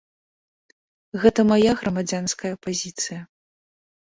Гэта мая грамадзянская пазіцыя.